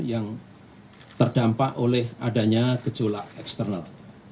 yang terdampak oleh adanya gejolak eksternal